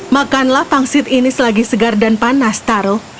makanlah pangsit ini selagi segar dan panas taro